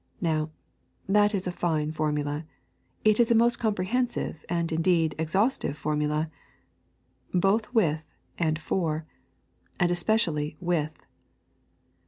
Now, that is a fine formula; it is a most comprehensive, and, indeed, exhaustive formula. Both with and for. And especially with.